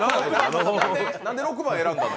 何で６番選んだの？